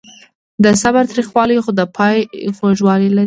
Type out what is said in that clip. د صبر تریخوالی خو د پای خوږوالی لري.